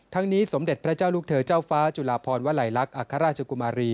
นี้สมเด็จพระเจ้าลูกเธอเจ้าฟ้าจุลาพรวลัยลักษณ์อัครราชกุมารี